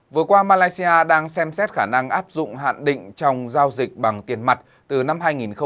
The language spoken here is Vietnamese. vừa qua malaysia đang xem xét khả năng áp dụng hạn định trong giao dịch bằng tiền mặt từ năm hai nghìn một mươi sáu